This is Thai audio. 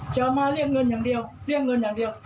จะมาเรียกเงินอย่างเดียวเรียกเงินอย่างเดียว